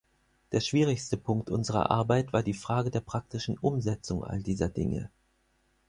Der schwierigste Punkt unserer Arbeit war die Frage der praktischen Umsetzung all dieser Dinge.